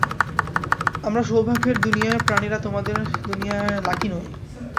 আমরা সৌভাগ্যের দুনিয়ার প্রাণীরা তোমাদের দুনিয়ায় লাকি নই।